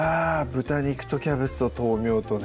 豚肉とキャベツと豆苗とね